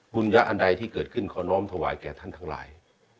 ญะอันใดที่เกิดขึ้นขอน้อมถวายแก่ท่านทั้งหลาย